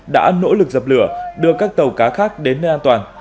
đã nỗ lực dập lửa đưa các tàu cá khác đến nơi an toàn